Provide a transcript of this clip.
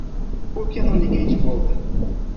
Por que não liguei de volta?